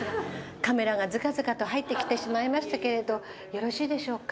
カメラがずかずかと入ってきてしまいましたけれどよろしいでしょうか？